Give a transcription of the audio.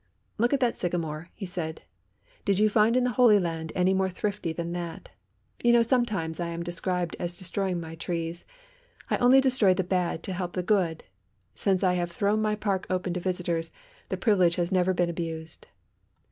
"Look at that sycamore," he said; "did you find in the Holy Land any more thrifty than that? You know sometimes I am described as destroying my trees. I only destroy the bad to help the good. Since I have thrown my park open to visitors the privilege has never been abused."